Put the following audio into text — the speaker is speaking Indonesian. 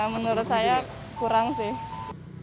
menurut saya kurang sih